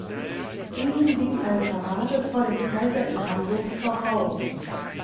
Ihnen ging eine Parade vor dem Kaiser in Hamburg voraus.